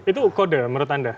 itu kode menurut anda